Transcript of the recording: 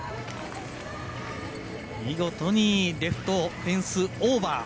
見事にレフトフェンスオーバー。